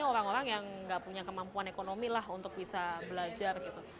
dan mereka ini orang orang yang nggak punya kemampuan ekonomi lah untuk bisa belajar gitu